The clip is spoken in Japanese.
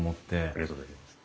ありがとうございます。